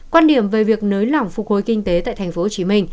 quan điểm về việc nới lỏng phục hồi kinh tế tại tp hcm